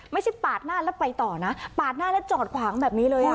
ไม่ใช่ปากหน้าแล้วไปต่อนะปากหน้าแล้วจอดขวางแบบนี้เลย